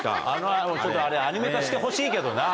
ちょっとあれ、アニメ化してほしいけどな。